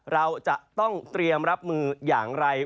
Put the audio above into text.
เราจะต้องเตรียมรับมืออย่างไร